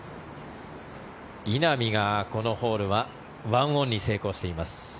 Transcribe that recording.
稲見がこのホールは１オンに成功しています。